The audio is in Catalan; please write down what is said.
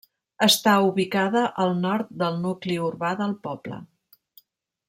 Està ubicada al nord del nucli urbà del poble.